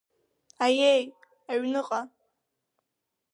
Аиеи, аҩныҟа…